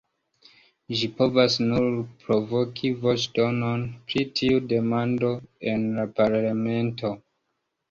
Ĝi povas nur provoki voĉdonon pri tiu demando en la parlamento.